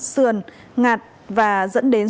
sườn ngạt và dẫn đến